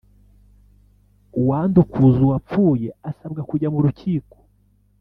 uwandukuza uwapfuye asabwa kujya mu rukiko